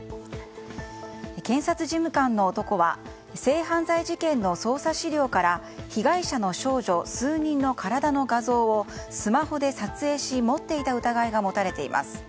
検察事務官の男は性犯罪事件の捜査資料から被害者の少女、数人の体の画像をスマホで撮影し持っていた疑いが持たれています。